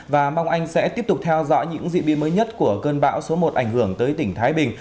và mong anh sẽ tiếp tục theo dõi những diễn biến mới nhất của cơn bão số một ảnh hưởng tới tỉnh thái bình